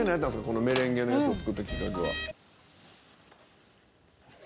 このメレンゲのやつを作ったきっかけは。